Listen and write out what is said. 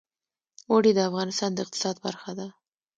اوړي د افغانستان د اقتصاد برخه ده.